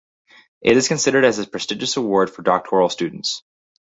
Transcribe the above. It is considered as a prestigious award for doctoral students.